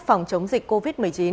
phòng chống dịch covid một mươi chín